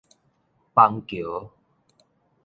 枋橋